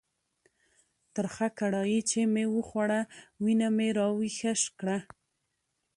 ترخه کړایي چې مې وخوړه، وینه مې را ویښه کړه.